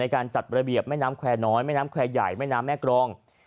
การจัดระเบียบแม่น้ำแควร์น้อยแม่น้ำแควร์ใหญ่แม่น้ำแม่กรอง